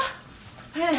あれ？